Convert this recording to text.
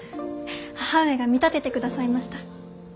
母上が見立ててくださいました。